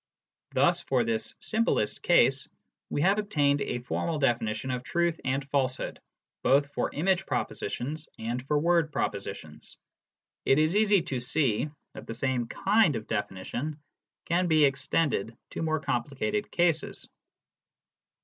Thus for this simplest case we have obtained a formal definition of truth and falsehood, both for image propositions and for word proposi tions. It is easy to see that the same kind of definition can be extended to more complicated cases.